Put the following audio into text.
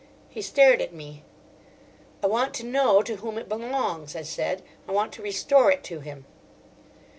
He stared at me. "I want to know to whom it belongs," I said. "I want to restore it to him."